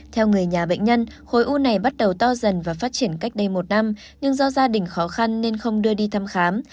theo người nhà bệnh nhân khối u này bắt đầu to dần và phát triển cách đây một năm nhưng do gia đình khó khăn nên không đưa đi thăm khám